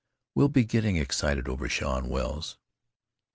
We'd be getting excited over Shaw and Wells.